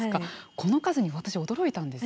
この数に私驚いたんですけど。